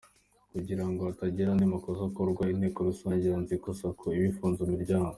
Kugira ngo hatagira andi makosa akorwa, inteko rusange yanzuye ko Sacco iba ifunze imiryango.